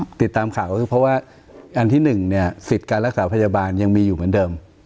ติดตามข่าวก็คือเพราะว่าอันที่หนึ่งเนี่ยสิทธิ์การรักษาพยาบาลยังมีอยู่เหมือนเดิม